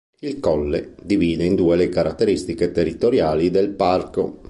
Il colle divide in due le caratteristiche territoriali del parco.